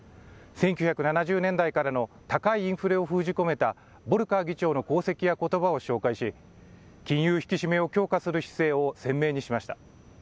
１９７０年代からの高いインフレを封じ込めたボルカー議長の功績やことばを紹介し、金融引き締めを強化する姿勢を鮮明にしました。